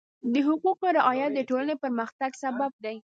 د حقوقو رعایت د ټولنې پرمختګ سبب دی.